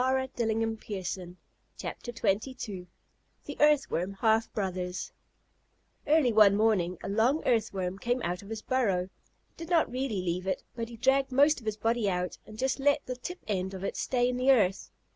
What could we have done!" THE EARTHWORM HALF BROTHERS Early one wet morning, a long Earthworm came out of his burrow. He did not really leave it, but he dragged most of his body out, and let just the tip end of it stay in the earth.